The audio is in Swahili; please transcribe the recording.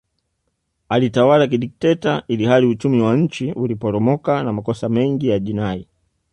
Alitawala kidikteta ilihali uchumi wa nchi uliporomoka na makosa mengi ya jinai